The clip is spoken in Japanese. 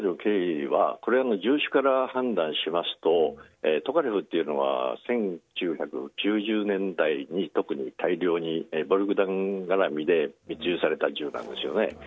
考えられる経緯は銃種から判断しますとトカレフというのは１９９０年代に、特に大量に密輸された銃なんですよね。